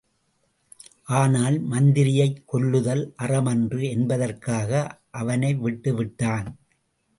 ஆனால் மந்திரியைக் கொல்லுதல் அறமன்று என்பதற்காக அவனை விட்டுவிட்டான்.